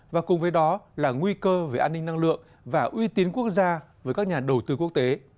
và cùng với đó là nguy cơ về an ninh năng lượng và uy tín quốc gia với các nhà đầu tư quốc tế